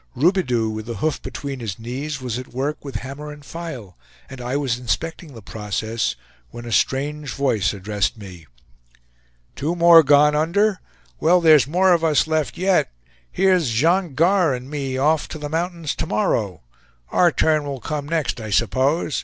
Roubidou, with the hoof between his knees, was at work with hammer and file, and I was inspecting the process, when a strange voice addressed me. "Two more gone under! Well, there is more of us left yet. Here's Jean Gars and me off to the mountains to morrow. Our turn will come next, I suppose.